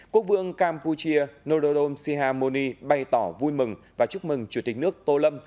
quốc vương campuchia norodom sihamoni bày tỏ vui mừng và chúc mừng chủ tịch nước tô lâm